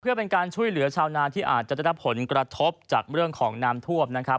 เพื่อเป็นการช่วยเหลือชาวนานที่อาจจะได้รับผลกระทบจากเรื่องของน้ำท่วมนะครับ